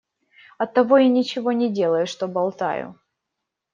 Оттого и ничего не делаю, что болтаю.